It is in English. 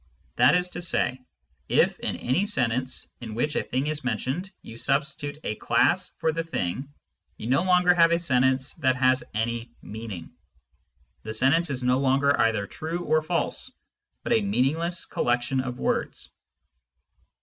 That is to say, if, in any sentence in which a thing is mentioned, you substitute a class for the thing, you no longer have a sentence that has any meaning : the sentence is no longer either true or false, but a meaningless collection of words.